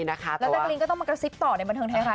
แล้วแจ๊กรีนก็ต้องมากระซิบต่อในบันเทิงไทยรัฐ